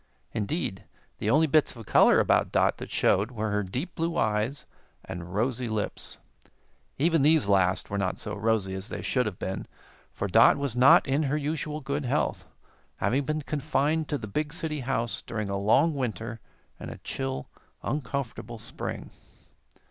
Indeed, the only bits of color about Dot that showed were her deep blue eyes and rosy lips. Even these last were not so rosy as they should have been, for Dot was not in her usual good health, having been confined to the big city house during a long winter and a chill, uncomfortable spring.